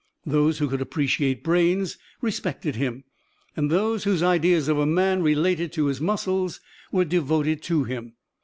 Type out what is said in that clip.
Those who could appreciate brains respected him, and those whose ideas of a man related to his muscles were devoted to him.